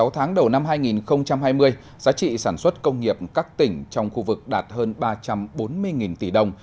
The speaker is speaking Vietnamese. sáu tháng đầu năm hai nghìn hai mươi giá trị sản xuất công nghiệp các tỉnh trong khu vực đạt hơn ba trăm bốn mươi tỷ đồng